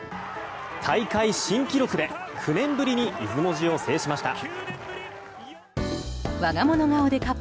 大会新記録で９年ぶりに出雲路を制しました。